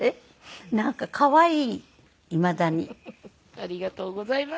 ありがとうございます。